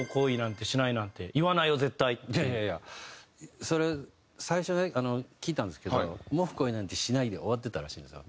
いやいやいやそれ最初ね聞いたんですけど「もう恋なんてしない」で終わってたらしいんですよ